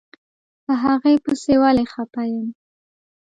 په هغې پسې ولې خپه يم.